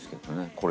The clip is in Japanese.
これ。